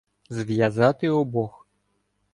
Зв'язати обох.